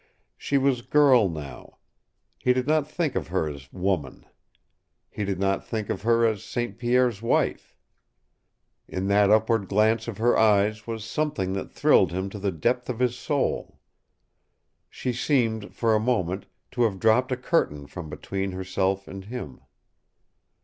She was girl now. He did not think of her as woman. He did not think of her as St. Pierre's wife. In that upward glance of her eyes was something that thrilled him to the depth of his soul. She seemed, for a moment, to have dropped a curtain from between herself and him.